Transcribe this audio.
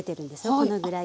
このぐらい。